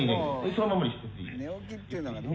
そのままにしてていい」